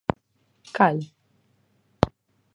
Cal?